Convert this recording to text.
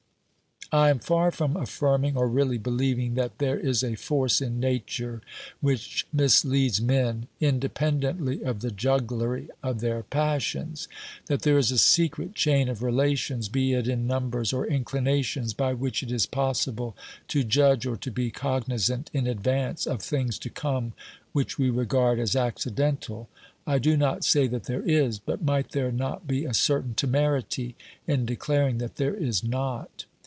I am far from affirming or really believing that there is a force in Nature which misleads men, independently of the jugglery of their passions; that there is a secret chain of relations, be it in numbers or inclinations, by OBERMANN 193 which it is possible to judge, or to be cognisant in advance, of things to come which we regard as accidental. I do not say that there is, but might there not be a certain temerity in declaring that there is not